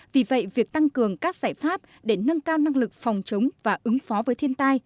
vì vậy việc tăng cường các giải pháp để nâng cao năng lực phòng chống và ứng phó với thiên tai